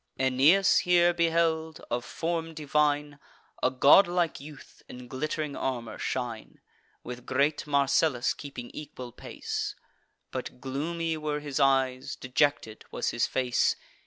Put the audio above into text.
Aeneas here beheld, of form divine, A godlike youth in glitt'ring armour shine, With great Marcellus keeping equal pace; But gloomy were his eyes, dejected was his face.